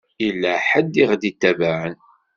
Yella ḥedd i ɣ-d-itabaɛen.